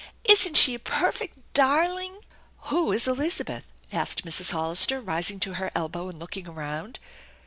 Isn't she a perfect darling?" " Who is Elizabeth ?" asked Mrs. Hollister, rising to her elbow and looking around.